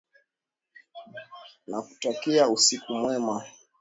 Nakutakia usiku mwema.